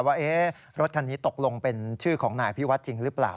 ว่ารถคันนี้ตกลงเป็นชื่อของนายพิวัฒน์จริงหรือเปล่า